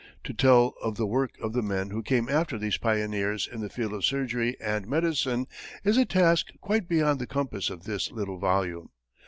To tell of the work of the men who came after these pioneers in the field of surgery and medicine is a task quite beyond the compass of this little volume.